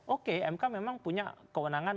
oke mk memang punya kewenangan